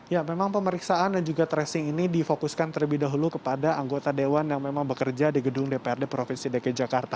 ya memang pemeriksaan dan juga tracing ini difokuskan terlebih dahulu kepada anggota dewan yang memang bekerja di gedung dprd provinsi dki jakarta